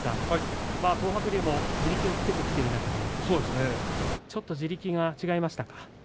東白龍も地力をつけている中でちょっと地力が違いましたか。